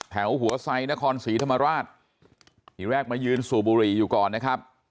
แถวหัวไซนครศรีธรรมราชทีแรกมายืนสูบบุหรี่อยู่ก่อนนะครับ